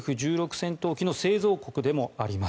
戦闘機の製造国でもあります。